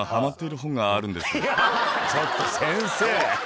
ちょっと先生。